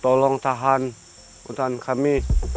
tolong tahan hutan kami